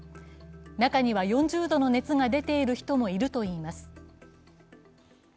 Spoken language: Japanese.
中には４０度の熱が出ている人もいるといいます。